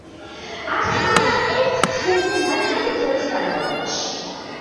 არსებობდა ერთ თვეზე ნაკლები დროის განმავლობაში.